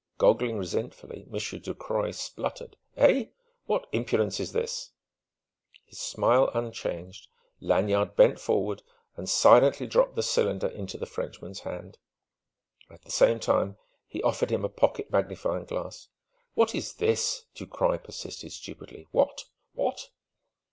Goggling resentfully, Monsieur Ducroy spluttered: "Eh what impudence is this?" His smile unchanged, Lanyard bent forward and silently dropped the cylinder into the Frenchman's hand. At the same time he offered him a pocket magnifying glass. "What is this?" Ducroy persisted stupidly. "What what